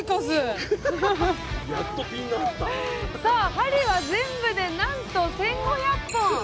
針は全部でなんと１，５００本！